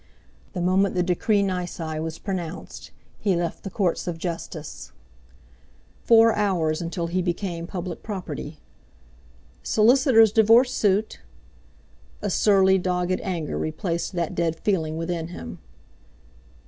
The moment the decree nisi was pronounced he left the Courts of Justice. Four hours until he became public property! "Solicitor's divorce suit!" A surly, dogged anger replaced that dead feeling within him.